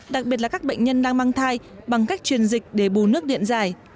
đặc biệt là các bệnh nhân đang mang thai bằng cách truyền dịch để bù nước điện giải